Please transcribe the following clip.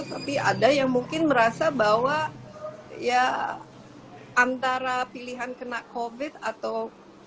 tapi ada yang mungkin merasa bahwa ya antara pilihan kena covid atau